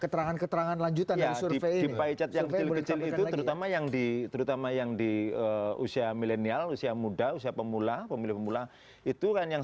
terutama yang di terutama yang di usia milenial usia muda usia pemula pemilih pemula itu kan yang